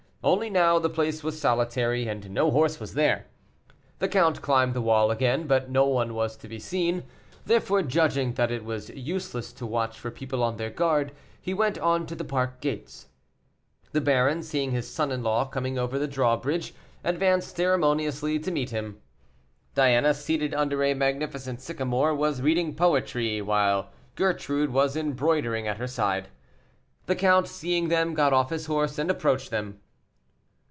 Only now the place was solitary, and no horse was there. The count climbed the wall again, but no one was to be seen; therefore, judging that it was useless to watch for people on their guard, he went on to the park gates. The baron, seeing his son in law coming over the drawbridge, advanced ceremoniously to meet him. Diana, seated under a magnificent sycamore, was reading poetry, while Gertrude was embroidering at her side. The count, seeing them, got off his horse, and approached them.